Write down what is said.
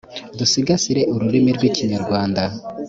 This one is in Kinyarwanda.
dusigasire ururimi rw’ikinyarwanda